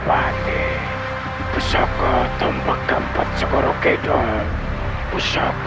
aku ingin membuatmu menjadi seorang yang baik